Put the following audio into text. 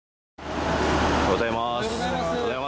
おはようございます。